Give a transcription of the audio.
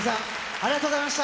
ありがとうございます。